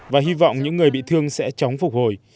và hy vọng những người bị thương sẽ chóng phục hồi